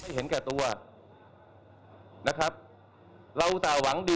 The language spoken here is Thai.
เพราะถือว่าคุณไม่มีความรับผิดชอบต่อสังคม